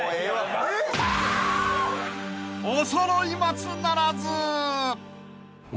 ［おそろい松ならず］